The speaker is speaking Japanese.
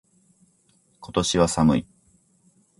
今年は寒い。